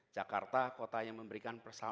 jakarta kota yang memberikan